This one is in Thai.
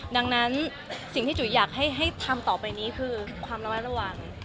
ดังนั้นสิ่งที่จุ๋ยอยากให้ทำต่อไปนี้คือความระมัดระวัง